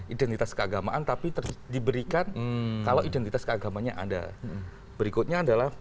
identitas keagamaan tapi diberikan kalau identitas keagamanya ada berikutnya adalah